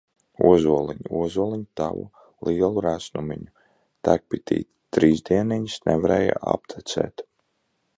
Ozoliņ, ozoliņ, Tavu lielu resnumiņu! Tek bitīte trīs dieniņas, Nevarēja aptecēt!